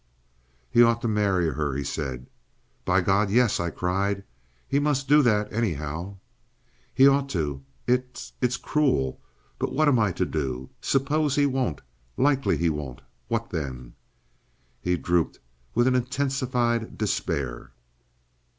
"He ought to marry her," he said. "By God, yes!" I cried. "He must do that anyhow." "He ought to. It's—it's cruel. But what am I to do? Suppose he won't? Likely he won't. What then?" He drooped with an intensified despair.